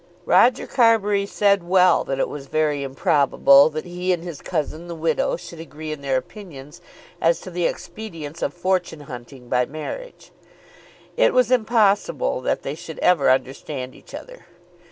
Roger Carbury said well that it was very improbable that he and his cousin, the widow, should agree in their opinions as to the expedience of fortune hunting by marriage. It was impossible that they should ever understand each other.